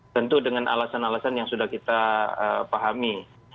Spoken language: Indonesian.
tentu dengan alasan alasan yang sudah kita pahami